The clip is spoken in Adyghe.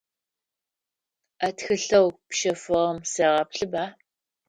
А тхылъэу пщэфыгъэм сегъэплъыба.